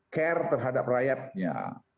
care terhadap rakyatnya